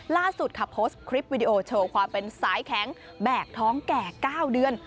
ล่าสุดค่ะโพสต์คลิปวิดีโอโชว์ความเป็นสายแข็งแบกท้องแก่๙เดือน